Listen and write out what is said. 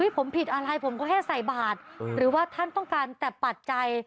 ผมผิดอะไรผมก็แค่ใส่บาทหรือว่าท่านต้องการแต่ปัจจัย